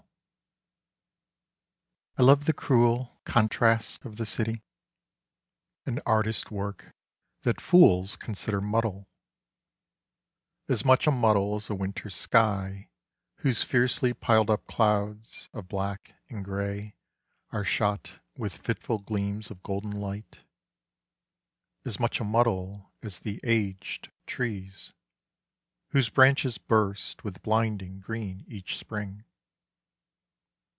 LONDON. I LOVE the cruel contrasts of the city, — An artist work that fools consider muddle, — As much a muddle as a winter sky Whose fiercely piled up clouds of black and grey Are shot with fitful gleams of golden light ; As much a muddle as the aged trees Whose branches burst with blinding green each spring.